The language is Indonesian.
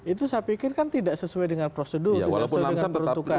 itu saya pikir kan tidak sesuai dengan prosedur tidak sesuai dengan peruntukan